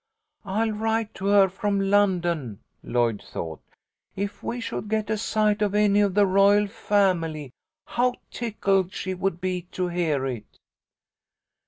"I'll write to her from London," Lloyd thought. "If we should get a sight of any of the royal family, how tickled she would be to hear it."